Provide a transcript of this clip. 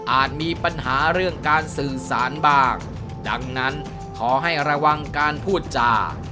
มีปัญหาเรื่องการสื่อสารบ้างดังนั้นขอให้ระวังการพูดจา